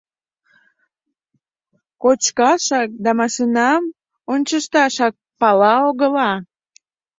Кочкашак да машинам ончышташак пала-огыла.